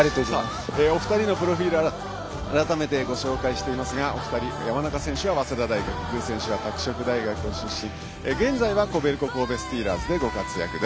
お二人のプロフィールを改めてご紹介していますが山中選手は早稲田大学具選手は拓殖大学出身で現在はコベルコ神戸スティーラーズでご活躍です。